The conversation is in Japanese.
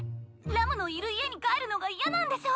ラムのいる家に帰るのが嫌なんでしょ？